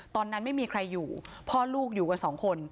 ตอนนั้นไม่มีใครอยู่พ่อลูกอยู่กันสองคน